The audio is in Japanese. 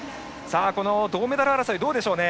銅メダル争いはどうでしょうね。